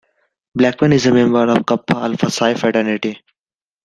Blackman is a member of Kappa Alpha Psi fraternity.